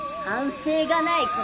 反省がない！